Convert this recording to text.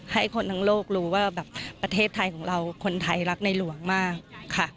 ให้คนทั้งโลกรู้ว่าแบบประเทศไทยของเราคนไทยรักในหลวงมากค่ะ